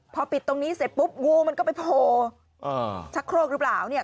พอปิดตรงนี้เสร็จปุ๊บงูมันก็ไปโผล่ชักโครกหรือเปล่าเนี่ย